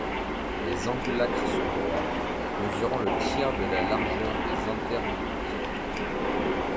Les ambulacres sont droits, mesurant le tiers de la largeur des interambulacres.